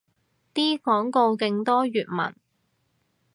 啲廣告勁多粵文